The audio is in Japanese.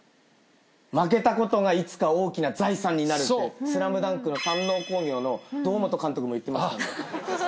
「負けたことがいつか大きな財産になる」って『ＳＬＡＭＤＵＮＫ』の山王工業の堂本監督も言ってました。